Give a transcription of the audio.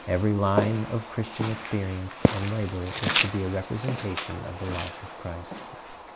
Every line of Christian experience and labor is to be a representation of the life of Christ.